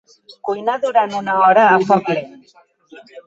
Cuinar durant una hora a foc lent.